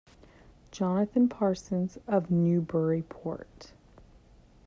Jonathan Parsons of Newburyport.